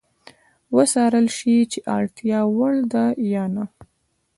وڅارل شي چې د اړتیا وړ ده یا نه.